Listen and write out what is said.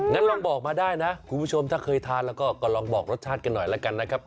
งั้นลองบอกมาได้นะคุณผู้ชมถ้าเคยทานแล้วก็ลองบอกรสชาติกันหน่อยแล้วกันนะครับ